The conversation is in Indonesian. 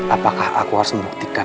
apakah aku harus membuktikan